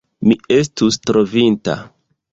Mi estus trovinta!